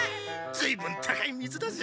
ずいぶん高い水だぜ。